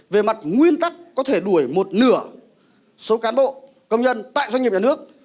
về mặt nguyên tắc có thể đuổi một nửa số cán bộ công nhân tại doanh nghiệp nhà nước